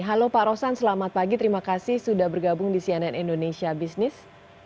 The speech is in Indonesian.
halo pak rosan selamat pagi terima kasih sudah bergabung di cnn indonesia business